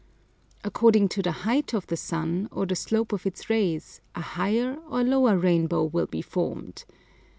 According to the height of the sun, or the slope of its rays, a higher or lower rainbow will be formed.